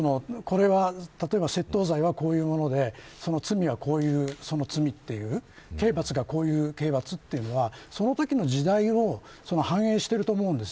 例えば、窃盗罪はこういうものでその罪はこういう罪という刑罰がこういう刑罰というのがそのときの時代を反映していると思うんです。